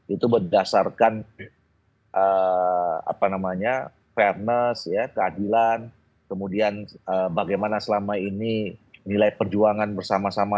itu berdasarkan fairness keadilan kemudian bagaimana selama ini nilai perjuangan bersama sama